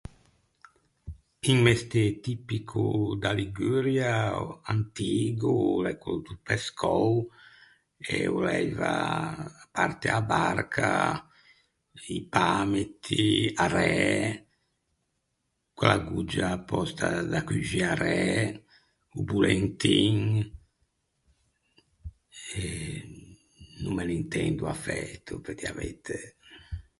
Un mestê tipico da Liguria antigo o l’é quello do pescou e o l’aiva, à parte a barca, i pämiti, a ræ, quella agoggia apòsta da cuxî a ræ, o bolentin, e no me n’intendo afæto, pe dî a veitæ.